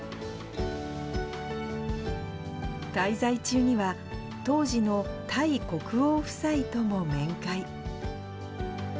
滞在中には、当時のタイ国王夫妻とも面会。